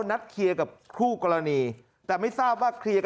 นัดเคลียร์กับคู่กรณีแต่ไม่ทราบว่าเคลียร์กัน